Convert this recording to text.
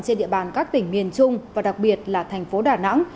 trên địa bàn các tỉnh miền trung và đặc biệt là thành phố đà nẵng